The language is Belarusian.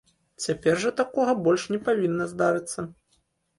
Цяпер жа такога больш не павінна здарыцца.